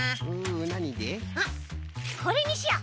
あっこれにしよう！